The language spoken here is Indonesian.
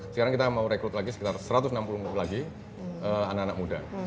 sekarang kita mau rekrut lagi sekitar satu ratus enam puluh empat lagi anak anak muda